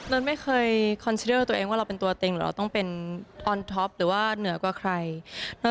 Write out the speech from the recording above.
เรื่องข้อมูล